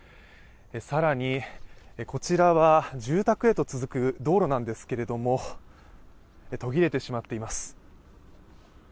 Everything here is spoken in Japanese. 更にこちらは住宅へと続く道路なんですけれども、途切れてしまっています。